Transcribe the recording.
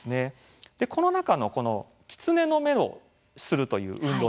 この中のキツネの目をするという運動